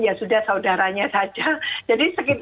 ya sudah saudaranya saja jadi